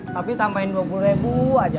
tapi tambahin dua puluh ribu aja